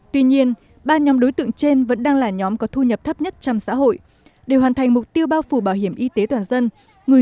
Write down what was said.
tuy nhiên ba nhóm đối tượng trên vẫn đang là nhóm có thu nhập thấp nhất trong xã hội